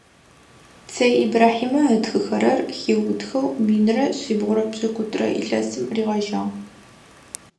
Цэй Ибрахьимэ ытхыхэрэр хиутыхэу минрэ шъибгъурэ пшӏыкӏутӏрэ илъэсым ригъэжьагъ.